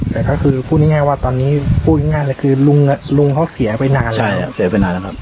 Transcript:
เพราะคือพูดแย่งมากว่าคือลุงเขาเสียไปนานแล้ว